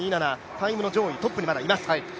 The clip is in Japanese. タイム上位トップにまだ、います。